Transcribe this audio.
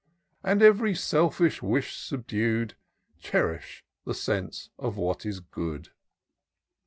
And, ev'ry selfish wish subdu'd. Cherish thq sense of what is good.